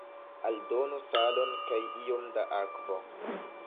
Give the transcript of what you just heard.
Aldonu salon kaj iom da akvo.